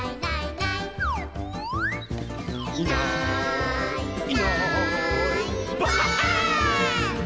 「いないいないばあっ！」